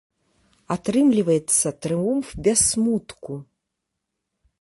Атрымліваецца трыумф без смутку.